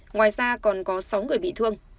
ngoài ra còn có sáu người bị thương